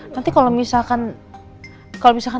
nanti kalau misalkan